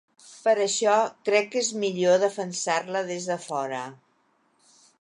Per això crec que és millor defensar-la des de fora.